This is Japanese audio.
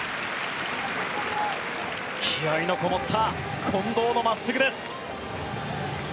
気合のこもった近藤の真っすぐです。